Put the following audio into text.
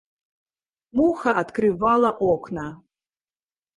Муха открывала окна.